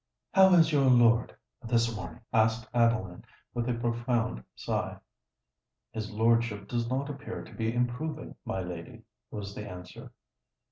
"How is your lord this morning?" asked Adeline, with a profound sigh. "His lordship does not appear to be improving, my lady," was the answer.